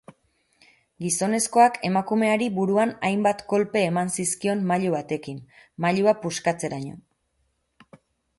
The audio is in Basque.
Gizonezkoak emakumeari buruan hainbat kolpe eman zizkion mailu batekin, mailua puskatzeraino.